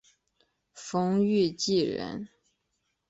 冯誉骥人。